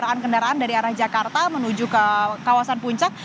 nah kemudian juga untuk kendaraan kendaraan dari arah jakarta menuju ke kawasan puncak